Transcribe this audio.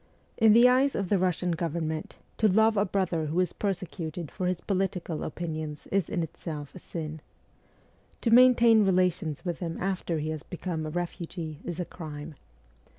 In the eyes of the Russian govern ment, to love a brother who is persecuted for his poli tical opinions is in itself a sin. To maintain relations with him after he has become a refugee is a crime.